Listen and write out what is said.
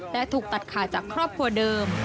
และถูกตัดขาดจากครอบครัวเดิม